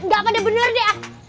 enggak pada benar deh